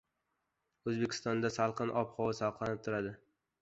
O‘zbekistonda salqin ob-havo saqlanib turadi